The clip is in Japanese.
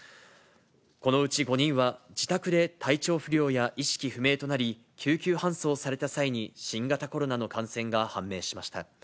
このうち５人は、自宅で体調不良や意識不明となり、救急搬送された際に新型コロナの感染が判明しました。